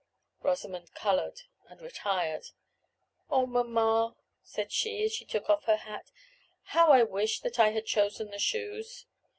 Rosamond colored and retired. "Oh, mamma," said she as she took off her hat, "how I wish that I had chosen the shoes!